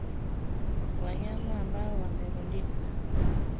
Wanyama ambao wamerundikwa